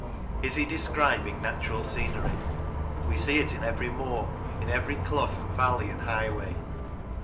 Is he describing natural scenery ? We see it in every moor ; in every clough and valley and highway.